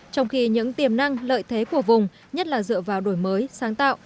trong khi những tiềm năng lợi thế của vùng nhất là dựa vào đổi mới sáng tạo